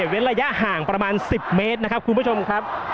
เว้นระยะห่างประมาณ๑๐เมตรนะครับคุณผู้ชมครับ